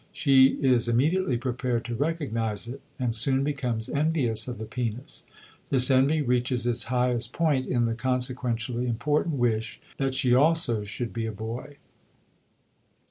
She is immediately prepared to recognize it, and soon becomes envious of the penis; this envy reaches its highest point in the consequentially important wish that she also should be a boy.